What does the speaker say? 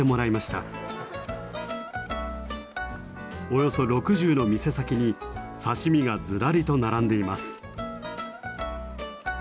およそ６０の店先に刺身がずらりと並んでいます。